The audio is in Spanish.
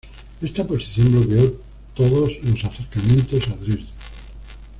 Esta posición bloqueó todos los acercamientos a Dresde.